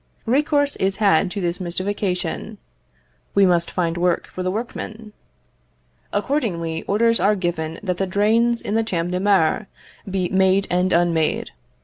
Recourse is had to this mystification: "We must find work for the workmen." Accordingly, orders are given that the drains in the Champ de Mars be made and unmade.